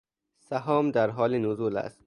سهام در حال نزول است.